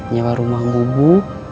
nyewa rumah bubu